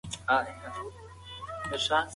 موږ باید له تېرو بدو پېښو څخه د نفرت په ځای درس واخلو.